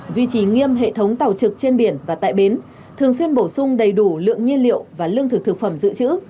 duy trì nghiêm hệ thống tàu trực trên biển và tại bến thường xuyên bổ sung đầy đủ lượng nhiên liệu và lương thực thực phẩm dự trữ